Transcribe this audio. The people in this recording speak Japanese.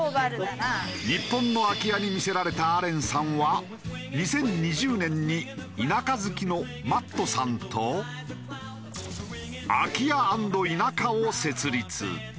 日本の空き家に魅せられたアレンさんは２０２０年に田舎好きのマットさんとＡＫＩＹＡ＆ＩＮＡＫＡを設立。